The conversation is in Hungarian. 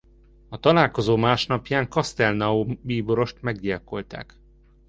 A találkozó másnapján Castelnau bíborost meggyilkolták.